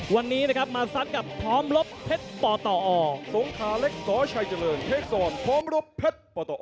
วันนี้นะครับมาสัดกับพร้อมรบเพชรปตอ